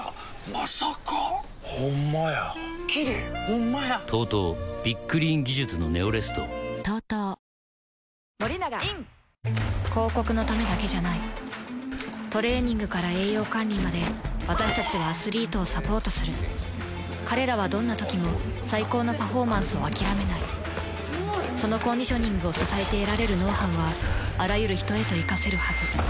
まさかほんまやＴＯＴＯびっくリーン技術のネオレスト広告のためだけじゃないトレーニングから栄養管理まで私たちはアスリートをサポートする彼らはどんなときも最高のパフォーマンスを諦めないそのコンディショニングを支えて得られるノウハウはあらゆる人へといかせるはず